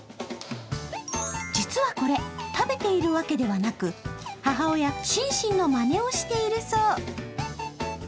実はこれ、食べているわけではなく母親シンシンのまねをしているそう。